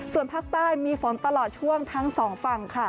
ส่วนภาคใต้มีฝนตลอดช่วงทั้งสองฝั่งค่ะ